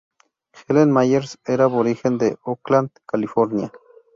Helen Myers era aborigen de Oakland, California.